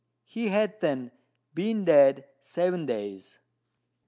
He had then been dead seven days.